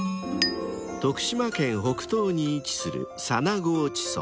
［徳島県北東に位置する］